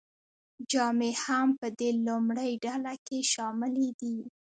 جامې هم په دې لومړۍ ډله کې شاملې دي.